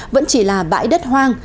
vẫn chỉ là bãi đất hoang